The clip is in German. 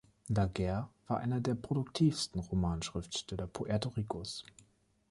Laguerre war einer der produktivsten Romanschriftsteller Puerto Ricos.